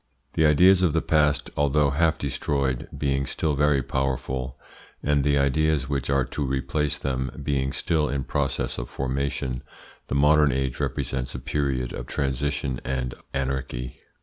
The ideas of the past, although half destroyed, being still very powerful, and the ideas which are to replace them being still in process of formation, the modern age represents a period of transition and anarchy.